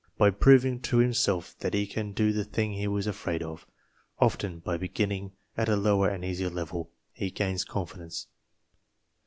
By proving to himself that he can do the thing he was afraid of, often by beginning at a lower and easier level, he gains confidence.